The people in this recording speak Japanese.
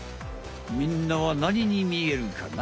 みんなは何にみえるかな？